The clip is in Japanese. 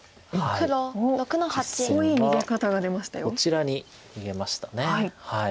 こちらに逃げました。